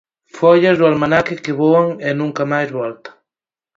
Follas do almanaque que voan e nunca máis voltan...